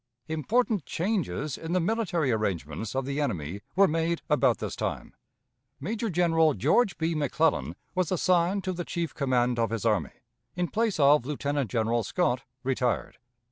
Important changes in the military arrangements of the enemy were made about this time. Major General George B. McClellan was assigned to the chief command of his army, in place of Lieutenant General Scott, retired.